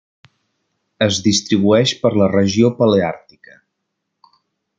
Es distribueix per la regió paleàrtica.